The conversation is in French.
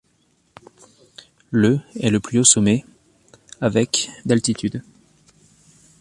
Le est le plus haut sommet, avec d'altitude.